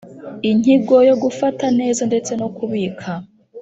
Inyigo yo gufata neza ndetse no kubika